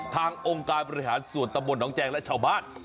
องค์การบริหารส่วนตำบลน้องแจงและชาวบ้าน